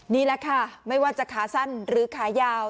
นี่แหละค่ะไม่ว่าจะขาสั้นหรือขายาว